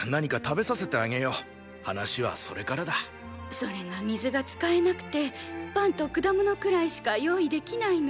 それが水が使えなくてパンと果物くらいしか用意できないの。